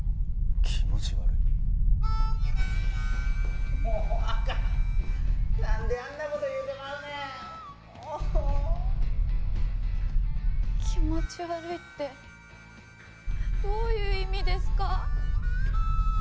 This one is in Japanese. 気持ち悪いもうあかん何であんなこと言うてまうねんもう「気持ち悪い」ってどういう意味ですか？